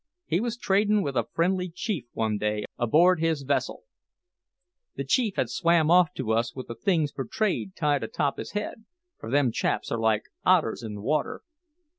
He was trading with a friendly chief one day aboard his vessel. The chief had swam off to us with the things for trade tied atop of his head, for them chaps are like otters in the water.